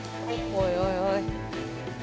おいおいおい。